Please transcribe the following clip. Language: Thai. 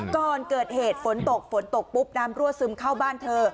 ก่อนเกิดเหตุฝนตกฝนตกปุ๊บน้ำรั่วซึมเข้าบ้านเธอ